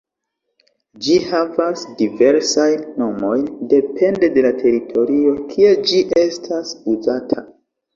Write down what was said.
Ĝi havas diversajn nomojn depende de la teritorio kie ĝi estas uzata.